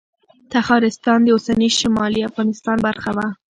تخارستان د اوسني شمالي افغانستان برخه وه